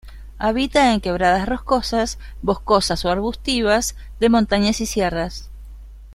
Habita en quebradas rocosas, boscosas o arbustivas, de montañas y sierras.